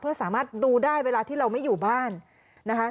เพื่อสามารถดูได้เวลาที่เราไม่อยู่บ้านนะคะ